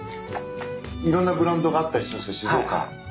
いろんなブランドがあったりするんですか？